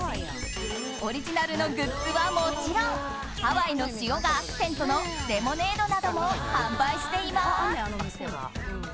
オリジナルのグッズはもちろんハワイの塩がアクセントのレモネードなども販売しています。